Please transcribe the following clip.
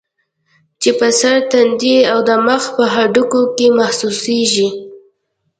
چې پۀ سر ، تندي او د مخ پۀ هډوکو کې محسوسيږي